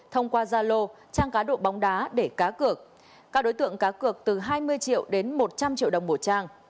thông qua zalo trang cá độ bóng đá để cá cược các đối tượng cá cược từ hai mươi triệu đến một trăm linh triệu đồng một trang